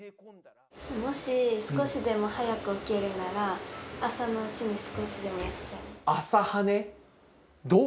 もし、少しでも早く起きれるなら、朝のうちに少しでもやっちゃう。